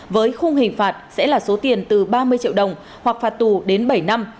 với khung hình phạt sẽ là số tiền từ ba mươi triệu đồng hoặc phạt tù đến bảy năm